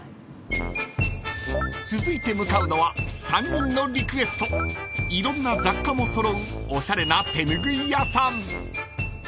［続いて向かうのは３人のリクエストいろんな雑貨も揃うおしゃれな手拭い屋さん］